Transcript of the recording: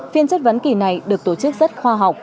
phiên chất vấn kỳ này được tổ chức rất khoa học